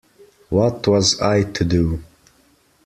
What was I to do?